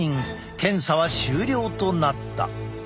検査は終了となった。